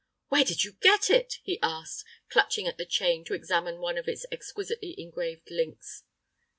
"Where did you get it?" he asked, clutching at the chain to examine one of its exquisitely engraved links.